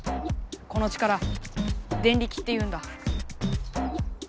この力デンリキっていうんだ。